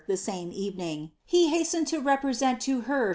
the same evening, he hastened to I present lo lier